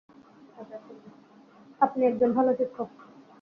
আপনি একজন ভালো শিক্ষক।